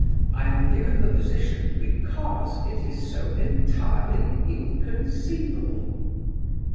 I am given the position because it is so entirely inconceivable!"